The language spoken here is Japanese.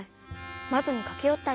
まどにかけよったり。